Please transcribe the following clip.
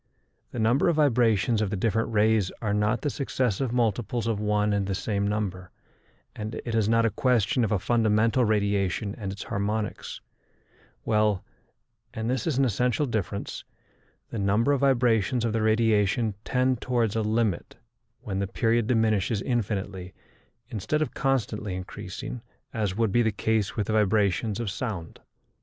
The number of vibrations of the different rays are not the successive multiples of one and the same number, and it is not a question of a fundamental radiation and its harmonics, while and this is an essential difference the number of vibrations of the radiation tend towards a limit when the period diminishes infinitely instead of constantly increasing, as would be the case with the vibrations of sound.